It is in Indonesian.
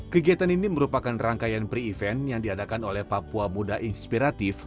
kegiatan ini merupakan rangkaian pre event yang diadakan oleh papua muda inspiratif